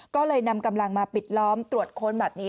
ก็เลยนำกำลังมาปิดล้อมตรวจค้นแบบนี้